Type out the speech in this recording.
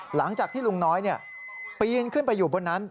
หลังจากที่ลุงน้อยปีนขึ้นไปอยู่บนนั้น